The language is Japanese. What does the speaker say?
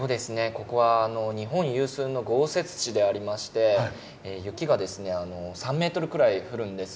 ここは日本有数の豪雪地でありまして雪がですね３メートルくらい降るんですよ。